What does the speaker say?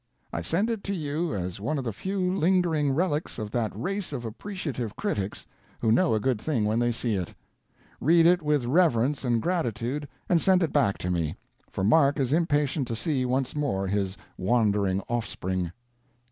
I send it to you as one of the few lingering relics of that race of appreciative critics, who know a good thing when they see it. Read it with reverence and gratitude and send it back to me; for Mark is impatient to see once more his wandering offspring.